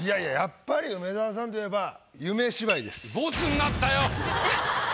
やっぱり梅沢さんといえば「夢芝居」です。